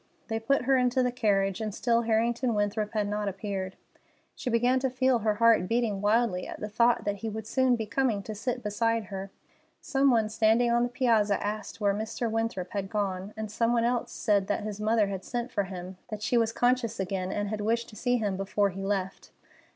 They put her into the carriage, and still Harrington Winthrop had not appeared. She began to feel her heart beating wildly at the thought that he would soon be coming to sit beside her. Some one standing on the piazza asked where Mr. Winthrop had gone, and some one else said that his mother had sent for him, that she was conscious again and had wished to see him before he left.